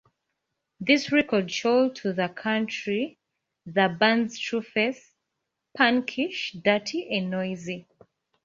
This record showed to the country the band's true face: punkish, dirty and noisy.